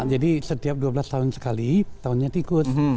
jadi setiap dua belas tahun sekali tahunnya tikus